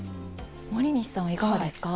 森西さんはいかがですか？